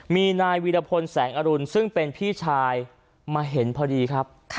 มีนายวีรพลแสงอรุณซึ่งเป็นพี่ชายมาเห็นพอดีครับ